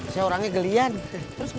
sini dong ini bagian sini